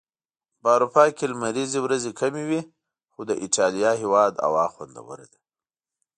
په اروپا کي لمريزي ورځي کمی وي.خو د ايټاليا هيواد هوا خوندوره ده